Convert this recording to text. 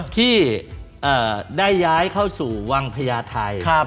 ที่ได้ย้ายเข้าสู่วังพญาไทย